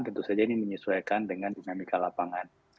tentu saja ini menyesuaikan dengan dinamika lapangan